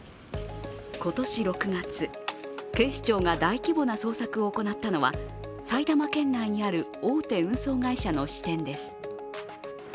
今年６月ｌ警視庁が大規模な捜索を行ったのが、埼玉県内にある大手運送会社の支店です。